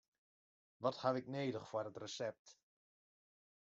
Wat haw ik nedich foar it resept?